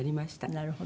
なるほどね。